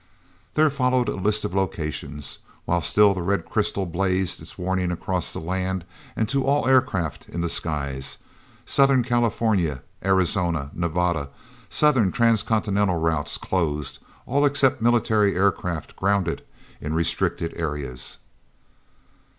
There followed a list of locations, while still the red crystal blazed its warning across the land and to all aircraft in the skies. Southern California, Arizona, Nevada—Southern Transcontinental Routes closed; all except military aircraft grounded in restricted areas.